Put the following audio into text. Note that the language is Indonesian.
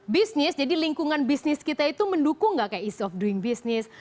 bisnis jadi lingkungan bisnis kita itu mendukung gak kayak east of doing business